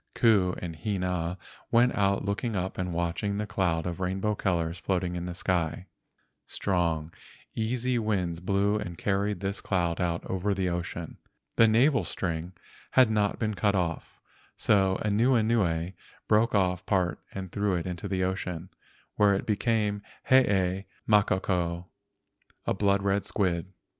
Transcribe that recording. Ku and Hina went out looking up and watch¬ ing the cloud of rainbow colors floating in the sky. Strong, easy winds blew and carried this 120 LEGENDS OF GHOSTS cloud out over the ocean. The navel string had not been cut off, so Anuenue broke off part and threw it into the ocean, where it became the Hee makoko, a blood red squid.